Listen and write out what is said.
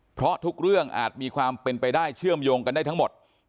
เพราะทุกเรื่องอาจมีความเป็นไปได้เชื่อมโยงกันได้ทั้งหมด